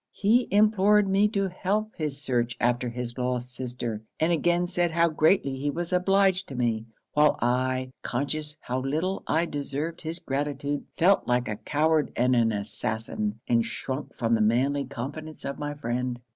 'He implored me to help his search after his lost sister, and again said how greatly he was obliged to me while I, conscious how little I deserved his gratitude, felt like a coward and an assassin, and shrunk from the manly confidence of my friend.